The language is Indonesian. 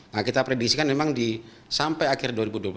nah kita prediksikan memang sampai akhir dua ribu dua puluh satu